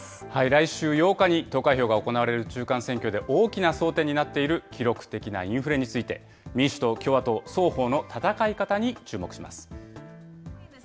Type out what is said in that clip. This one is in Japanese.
来週８日に投開票が行われる中間選挙で、大きな争点になっている記録的なインフレについて、民主党、共和党双方の戦い方に注目します。